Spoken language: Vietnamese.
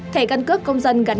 thẻ cân cướp công dân